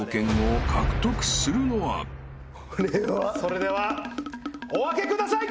それではお開けください！